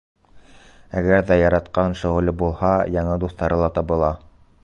Әгәр ҙә яратҡан шөғөлө булһа, яңы дуҫтары ла табыла.